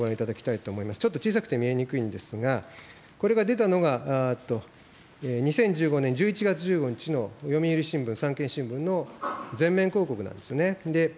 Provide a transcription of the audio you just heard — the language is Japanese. ちょっと小さくて見えにくいんですが、これが出たのが２０１５年１１月１５日の読売新聞、産経新聞の全面広告なんですよね。